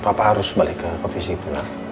papa harus balik ke kofisi pulau